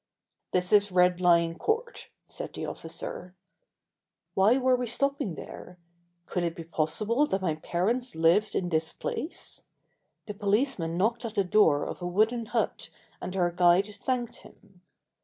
"This is Red Lion Court," said the officer. Why were we stopping there? Could it be possible that my parents lived in this place? The policeman knocked at the door of a wooden hut and our guide thanked him.